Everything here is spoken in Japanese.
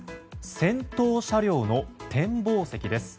先頭車両の展望席です。